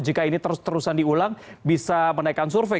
jika ini terus terusan diulang bisa menaikkan survei